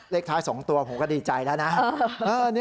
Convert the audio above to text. เลขท้าย๒ตัวผมก็ดีใจแล้วนะ